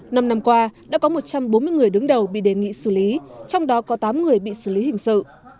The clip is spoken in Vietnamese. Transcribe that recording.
năm năm qua đã có một trăm bốn mươi người đứng đầu bị đề nghị xử lý trong đó có tám người bị xử lý hình sự